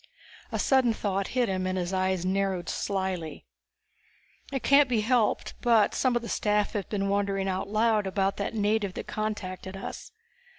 A sudden thought hit him, and his eyes narrowed slyly. "It can't be helped, but some of the staff have been wondering out loud about that native that contacted us.